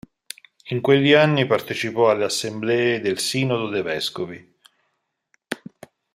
In quegli anni partecipò alle assemblee del Sinodo dei vescovi.